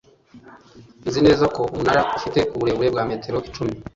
nzi neza ko umunara ufite uburebure bwa metero icumi